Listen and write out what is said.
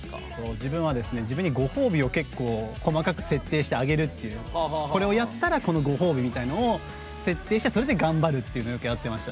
自分は、自分にご褒美を細かく設定してあげるっていう、これをやったらご褒美みたいなんを設定して、それで頑張るっていうのをよくやってました。